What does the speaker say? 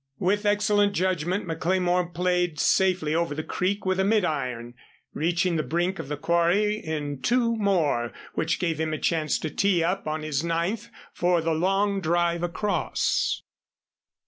With excellent judgment McLemore played safely over the creek with a mid iron, reaching the brink of the quarry in two more, which gave him a chance to tee up on his ninth for the long drive across.